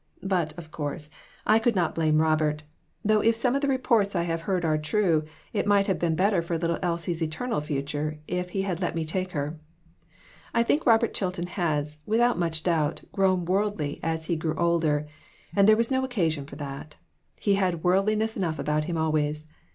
But, of course, I could not blame 212 CHARACTER STUDIES. Robert, though if some of the reports I have heard are true, it might have been better for little Elsie's eternal future if he had let me take her. I think Robert Chilton has, without much doubt, grown worldly as he grew older, and there was no occasion for that ; he had worldliness enough about him always.